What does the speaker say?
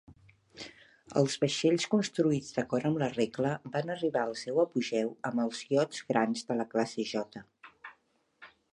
Els vaixells construïts d'acord amb la regla van arribar al seu apogeu amb els iots grans de la classe J.